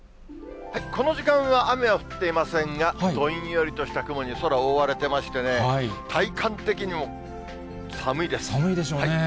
この時間は雨は降っていませんが、どんよりとした雲に空、覆われてましてね、体感的にも寒寒いでしょうね。